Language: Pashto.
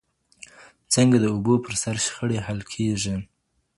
څنګه د اوبو پر سر شخړي حل کیږي؟